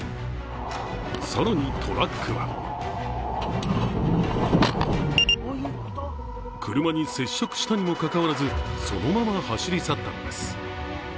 更にトラックは車に接触したにもかかわらず、そのまま走り去ったのです。